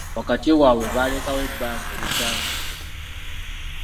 Wakati waabwe balekawo ebbanga erisaanidde.